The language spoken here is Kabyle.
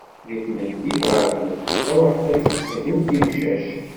Deg tmeddit ɣer tmeddit, ruḥet ad teẓẓgem timcac.